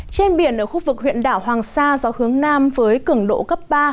trên biển ở khu vực huyện đảo hoàng sa gió hướng nam với cường độ cấp ba